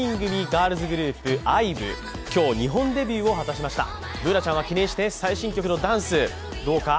ガールズグループＩＶＥ、今日、日本デビューを果たしましたＢｏｏｎａちゃんは記念して最新曲のダンス、どうか？